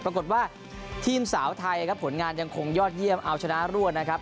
ปรากฏว่าทีมสาวไทยครับผลงานยังคงยอดเยี่ยมเอาชนะรวดนะครับ